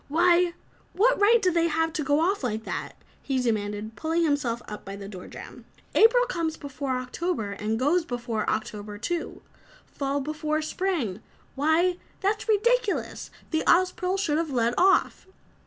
"Why, what right have they to go off like that?" he demanded, pulling himself up by the door jam. "April comes before October and goes before October, too. Fall before spring why, that's ridiculous! The Ozpril should have led off!"